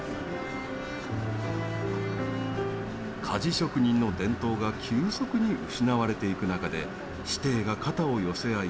鍛冶職人の伝統が急速に失われていく中で師弟が肩を寄せ合い